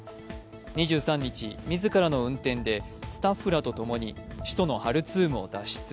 ２３日、自らの運転でスタッフらとともに首都のハルツームを脱出。